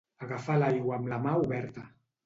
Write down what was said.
Agafar l'aigua amb la mà oberta.